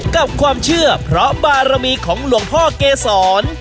กับความเชื่อเพราะบารมีของหลวงพ่อเกษร